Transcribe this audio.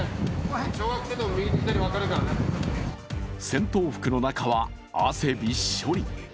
戦闘服の中は汗びっしょり。